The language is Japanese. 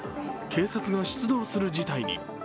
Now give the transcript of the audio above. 警察が出動する事態に。